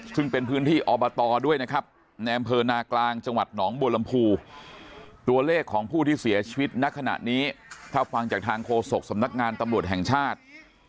ซึ่งเป็นพื้นที่อบตด้วยนะครับในอำเภอนากลางจังหวัดหนองบัวลำพูตัวเลขของผู้ที่เสียชีวิตณขณะนี้ถ้าฟังจากทางโฆษกสำนักงานตำรวจแห่งชาติ